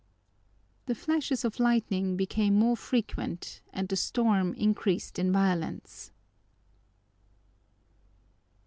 The flashes of lightning became more frequent and the storm increased in violence.